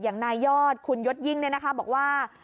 อย่างนายยอดคุณยศยิ่งบอกว่า